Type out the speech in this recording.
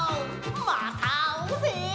またあおうぜ！